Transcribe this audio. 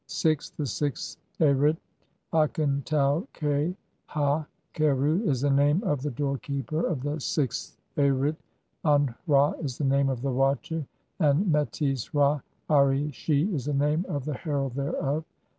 VI. "THE SIXTH ARIT. Aken tau k ha kheru is the name of the "doorkeeper of the sixth Arit, An hra is the name of the watcher, "and Metes hra ari she is the name of the herald thereof."